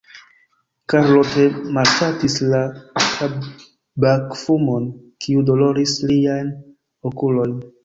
Karlo tre malŝatis la tabakfumon, kiu doloris liajn okulojn.